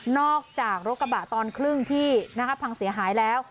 อกจากรถกระบะตอนครึ่งที่พังเสียหายแล้ว